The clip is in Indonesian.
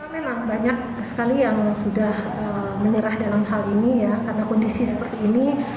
memang banyak sekali yang sudah menyerah dalam hal ini ya karena kondisi seperti ini